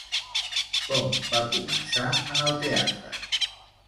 Com va començar en el teatre?